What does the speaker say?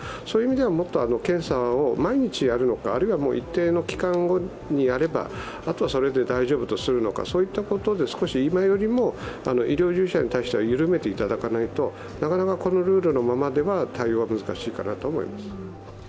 そういう意味では検査を毎日やるのか、一定の期間ごとにやればあとは大丈夫とするのか、そういうことで今よりも医療従事者に対しては緩めていただかないとこのルールのままでは対応は難しいかなと思います。